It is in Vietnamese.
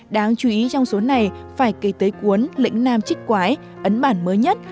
đáng chú ý trong số này phải cây tế cuốn lĩnh nam chích quái ấn bản mới nhất